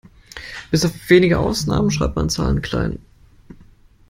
Bis auf wenige Ausnahmen schreibt man Zahlen klein.